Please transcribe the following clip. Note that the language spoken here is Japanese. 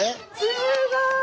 すごい！